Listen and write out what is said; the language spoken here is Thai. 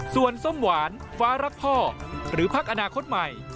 ส่วนส้มหวานฟ้ารักพ่อหรือพักอนาคตใหม่